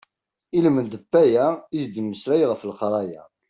Ilmend n waya i as-d-mmeslay ɣef leqraya.